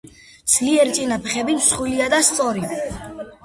ძლიერი წინა ფეხები მსხვილია და სწორი.